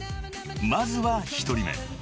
［まずは１人目］